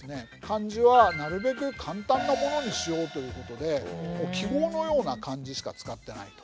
漢字はなるべく簡単なものにしようということで記号のような漢字しか使ってないと。